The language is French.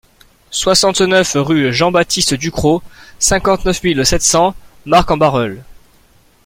soixante-neuf rue Jean-Baptiste Ducrocq, cinquante-neuf mille sept cents Marcq-en-Barœul